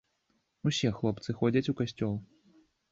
Усе хлопцы ходзяць у касцёл.